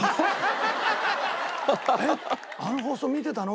「えっあの放送見てたの？」